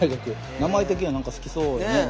名前的には何か好きそうなね。